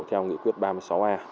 theo nghị quyết ba mươi sáu a